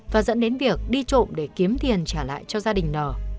và dẫn đến việc đi trộm để kiếm tiền trả lại cho gia đình nò